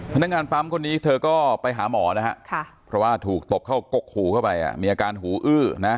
พนักงานปั๊มคนนี้เธอก็ไปหาหมอนะฮะเพราะว่าถูกตบเข้ากกหูเข้าไปมีอาการหูอื้อนะ